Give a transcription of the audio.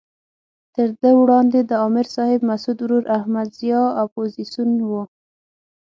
تر ده وړاندې د امر صاحب مسعود ورور احمد ضیاء اپوزیسون وو.